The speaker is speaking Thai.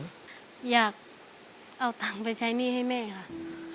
อยากเอาตังค์ไปใช้หนี้ให้แม่ค่ะ